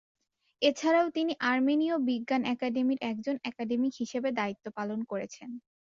এছাড়াও তিনি আর্মেনীয় বিজ্ঞান একাডেমির একজন একাডেমিক হিসেবে দায়িত্ব পালন করেছেন।